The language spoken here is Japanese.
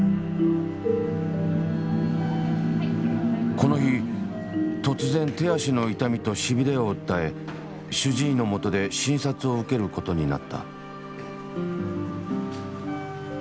この日突然手足の痛みとしびれを訴え主治医のもとで診察を受けることになった。